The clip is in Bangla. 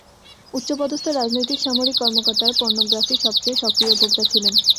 উচ্চ পদস্থ রাজনৈতিক এবং সামরিক কর্মকর্তারা পর্নোগ্রাফির সবচেয়ে সক্রিয় ভোক্তা ছিলেন।